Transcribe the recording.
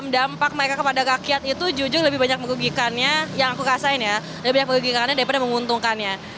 dampak mereka kepada rakyat itu jujur lebih banyak menggigikannya yang aku rasain ya lebih banyak merugikannya daripada menguntungkannya